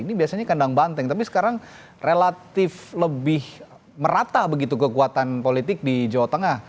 ini biasanya kandang banteng tapi sekarang relatif lebih merata begitu kekuatan politik di jawa tengah